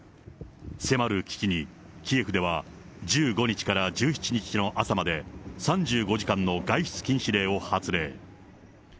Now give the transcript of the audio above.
迫る危機に、キエフでは１５日から１７日の朝まで、３５時間の外出禁止令を発令。